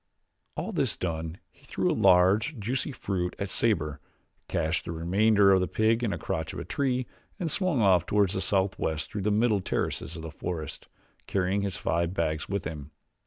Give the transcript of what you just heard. All this done he threw a large, juicy fruit at Sabor, cached the remainder of the pig in a crotch of the tree and swung off toward the southwest through the middle terraces of the forest, carrying his five bags with him.